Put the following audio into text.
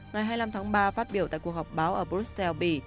ngày hai mươi năm tháng ba phát biểu tại cuộc họp báo ở brussels bỉ